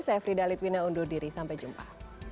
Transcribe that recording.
saya frida litwina undur diri sampai jumpa